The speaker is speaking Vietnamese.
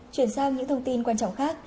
chuyển sang những thông tin quan trọng khác